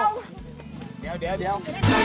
เดี๋ยว